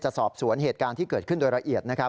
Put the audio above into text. จะสอบสวนเหตุการณ์ที่เกิดขึ้นโดยละเอียด